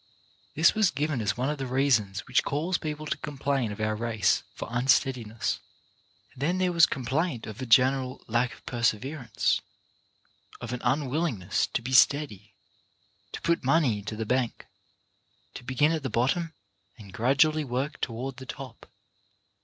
This was given as one of the reasons which cause people to complain of our race for unsteadiness. Then there was complaint of a general lack of perseverance, of an unwillingness to be steady, to put money into the bank, to begin at the bottom and gradually work toward the top.